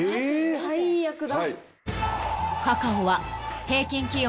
最悪だ。